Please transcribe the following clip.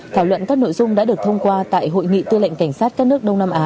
thảo luận các nội dung đã được thông qua tại hội nghị tư lệnh cảnh sát các nước đông nam á